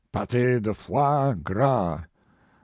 Pate de fois gras !